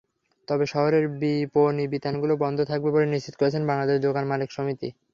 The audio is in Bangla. তবে শহরের বিপণিবিতানগুলো বন্ধ থাকবে বলে নিশ্চিত করেছেন বাংলাদেশ দোকান মালিক সমিতি।